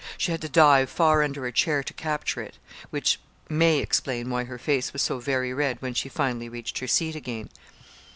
She had to dive far under a chair to capture it which may explain why her face was so very red when she finally reached her seat again.